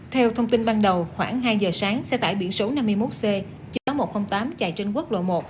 theo thông tin ban đầu khoảng hai giờ sáng xe tải biển số năm mươi một c chín nghìn một trăm linh tám chạy trên quốc lộ một